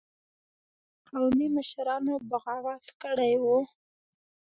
قومي مشرانو بغاوت کړی وو.